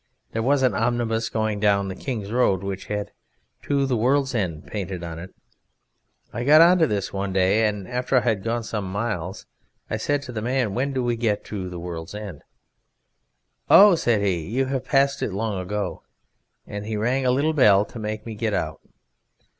There was an omnibus going down the King's Road which had 'To the World's End' painted on it. I got into this one day, and after I had gone some miles I said to the man, 'When do we get to the World's End?' 'Oh,' said he, 'you have passed it long ago,' and he rang a little bell to make me get out.